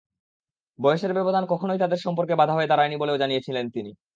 বয়সের ব্যবধান কখনোই তাঁদের সম্পর্কে বাধা হয়ে দাঁড়ায়নি বলেও জানিয়েছিলেন তিনি।